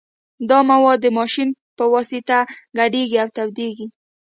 دا مواد د ماشین په واسطه ګډیږي او تودیږي